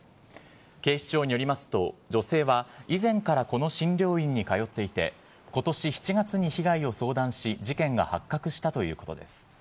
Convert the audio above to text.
警視庁によりますと、女性は、以前からこの診療院に通っていて、ことし７月に被害を相談し、事件が発覚したということです。